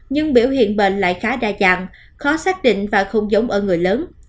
nhưng biểu hiện bệnh lại khá đa dạng khó xác định và không giống ở người lớn